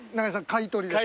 買い取りです。